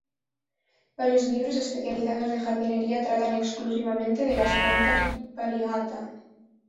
Varios libros especializados de jardinería tratan exclusivamente de las plantas 'Variegata'.